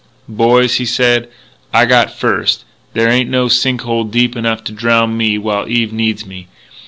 "Boys," he said, "I got first. There ain't no sink hole deep enough to drowned me while Eve needs me....